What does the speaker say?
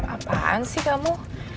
apaan sih kamu